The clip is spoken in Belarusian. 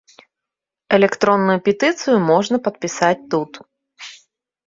Электронную петыцыю можна падпісаць тут.